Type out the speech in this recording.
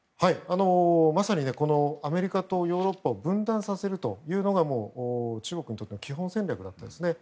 まさにアメリカとヨーロッパを分断させるというのが中国にとっての基本戦略だったんですね。